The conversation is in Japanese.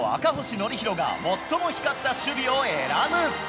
憲広が、最も光った守備を選ぶ。